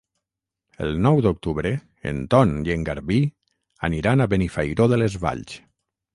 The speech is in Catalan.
El nou d'octubre en Ton i en Garbí aniran a Benifairó de les Valls.